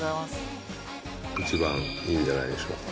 一番いいんじゃないでしょうか。